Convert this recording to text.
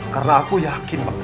karena aku yakin pak